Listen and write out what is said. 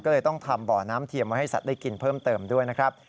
ก็เลยต้องทำบ่อน้ำเทียมไว้ให้สัตว์ได้กินเพิ่มเติมด้วยนะครับ